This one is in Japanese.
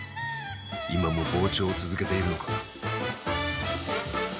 今も膨張を続けているのか。